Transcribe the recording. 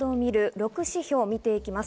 ６指標を見ていきます。